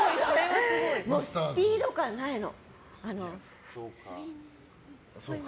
スピード感ないの。